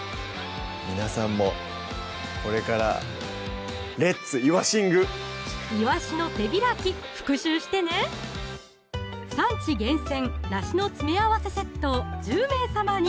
皆さんもこれからいわしの手開き復習してね「産地厳選梨の詰め合わせセット」を１０名様に！